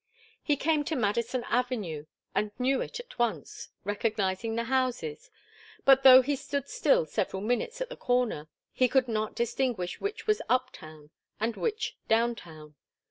He came to Madison Avenue, and knew it at once, recognizing the houses, but though he stood still several minutes at the corner, he could not distinguish which was up town and which down town.